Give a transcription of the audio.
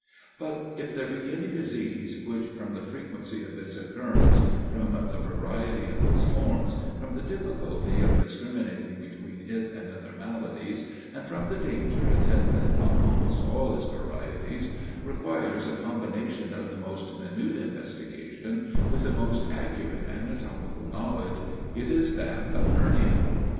But if there be any disease, which, from the frequency of its occurrence, from the variety of its forms, from the difficulty of discriminating between it and other maladies, and from the danger attendant on almost all its varieties, requires a combination of the most minute investigation, with the most accurate anatomical knowledge, it is that of hernia.